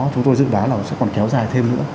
chúng tôi dự đoán là nó sẽ còn kéo dài thêm nữa